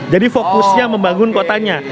jadi fokusnya membangun kotanya